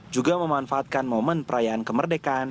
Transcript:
juga memanfaatkan momen perayaan kemerdekaan